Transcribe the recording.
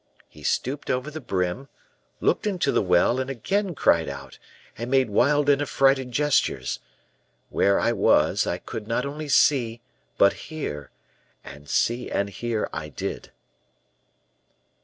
He stooped over the brim, looked into the well, and again cried out, and made wild and affrighted gestures. Where I was, I could not only see, but hear and see and hear I did."